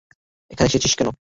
এখানে এসেছিস কেন?